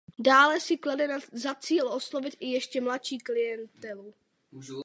Dále si klade za cíl oslovit i ještě mladší klientelu.